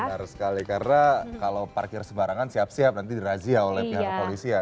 benar sekali karena kalau parkir sembarangan siap siap nanti dirazia oleh pihak kepolisian